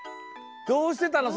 どうしてたの？